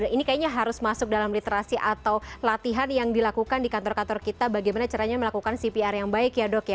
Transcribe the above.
ini kayaknya harus masuk dalam literasi atau latihan yang dilakukan di kantor kantor kita bagaimana caranya melakukan cpr yang baik ya dok ya